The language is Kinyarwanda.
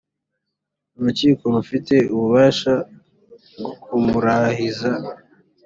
urukiko rufite ububasha bwokumurahiza.